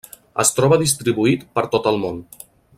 Es troba distribuït per tot el món.